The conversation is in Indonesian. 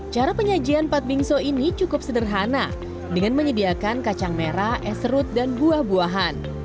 cara penyajian pat bingsu ini cukup sederhana dengan menyediakan kacang merah es serut dan buah buahan